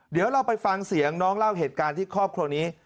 เดี๋ยวเราไปฟังเสียงน้องเล่าเหตุการณ์ที่ครอบครัวนี้